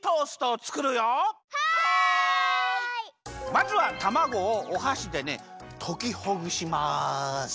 まずはたまごをおはしでねときほぐします。